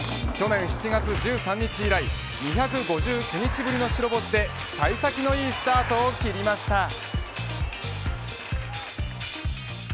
去年７月１３日以来２５９日ぶりの白星で幸先のいいスタートを切りました。